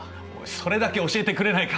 「それだけ教えてくれないか」。